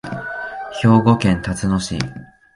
兵庫県たつの市